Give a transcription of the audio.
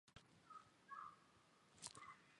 因位于旧鼓楼大街北侧而得名。